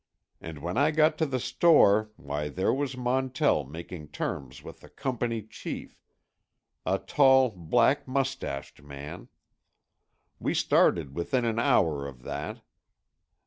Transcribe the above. And when I got to the store why there was Montell making terms with the Company chief; a tall, black mustached man. We started within an hour of that.